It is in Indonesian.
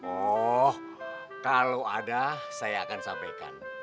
oh kalau ada saya akan sampaikan